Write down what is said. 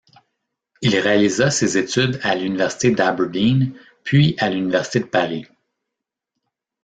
Il réalisa ses études à l’université d'Aberdeen puis à l'université de Paris.